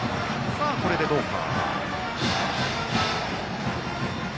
これでどうか。